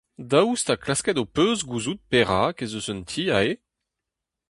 Daoust ha klasket ho peus gouzout perak ez eus un ti aze ?